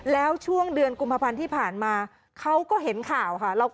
แล้วช่วงเดือนกุมภาพันธ์ที่ผ่านมาเขาก็เห็นข่าวค่ะ